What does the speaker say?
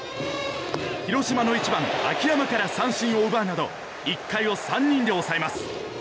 広島の１番、秋山から三振を奪うなど１回を３人で抑えます。